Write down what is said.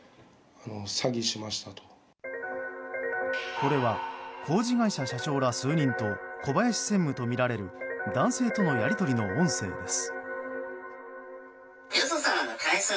これは、工事会社社長ら数人と小林専務とみられる男性とのやり取りの音声です。